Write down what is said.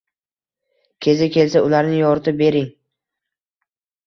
Kezi kelsa ularni yoritib bering.